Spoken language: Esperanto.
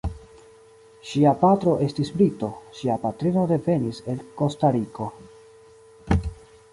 Ŝia patro estis brito, ŝia patrino devenis el Kostariko.